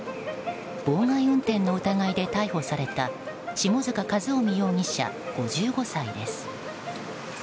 妨害運転の疑いで逮捕された下塚一臣容疑者、５５歳です。